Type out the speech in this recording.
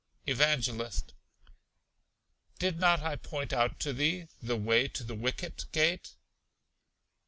Evangelist. Did not I point out to thee the way to the Wicket Gate?